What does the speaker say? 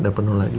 udah penuh lagi